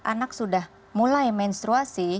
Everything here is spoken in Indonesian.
anak sudah mulai menstruasi